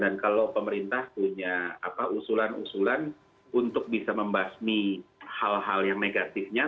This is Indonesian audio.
dan kalau pemerintah punya usulan usulan untuk bisa membasmi hal hal yang negatifnya